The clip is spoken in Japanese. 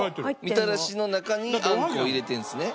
みたらしの中にあんこを入れてるんですね。